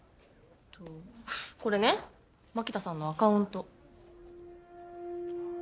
これね槙田さんのアカウント。